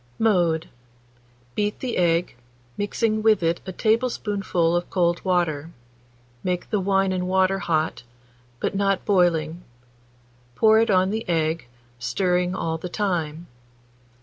Mode. Beat the egg, mixing with it a tablespoonful of cold water; make the wine and water hot, but not boiling; pour it on the egg, stirring all the time.